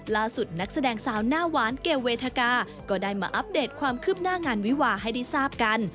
นักแสดงสาวหน้าหวานเกลเวทกาก็ได้มาอัปเดตความคืบหน้างานวิวาให้ได้ทราบกัน